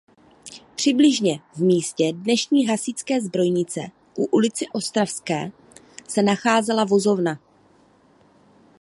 Přibližně v místě dnešní hasičské zbrojnice v ulici Ostravské se nacházela vozovna.